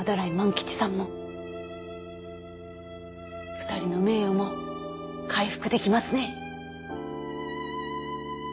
２人の名誉も回復できますね。